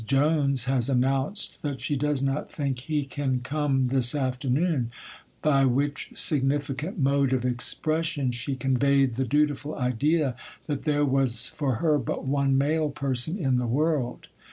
Jones has announced that she does not think 'he' can come this afternoon; by which significant mode of expression she conveyed the dutiful idea that there was for her but one male person in the world.